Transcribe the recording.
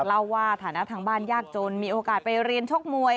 เล่าว่าฐานะทางบ้านยากจนมีโอกาสไปเรียนชกมวย